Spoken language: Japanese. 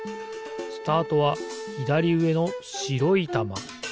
スタートはひだりうえのしろいたま。